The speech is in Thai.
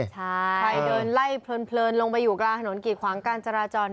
ใช่ไปเดินไล่เผลือลงไปอยู่กลางถนนกิดขวางกันจราจร